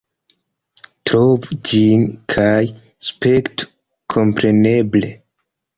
Trovu ĝin, kaj spektu kompreneble.